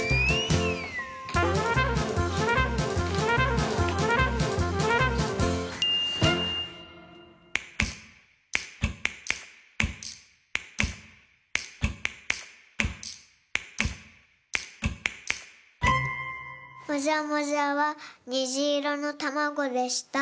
もじゃもじゃはにじいろのたまごでした。